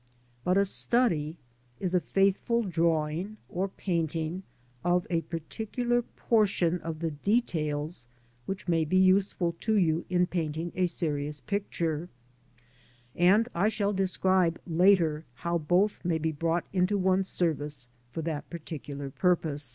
But a study is a faithful drawing or painting of a particular portion of the details which may be useful to you in painting a serious picture, and I shall later describe how both may be brought into one's service for that particular purpose.